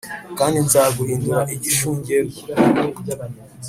kandi nzaguhindura igishungerwa.